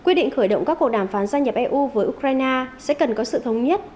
quyết định khởi động các cuộc đàm phán gia nhập eu với ukraine sẽ cần có sự thống nhất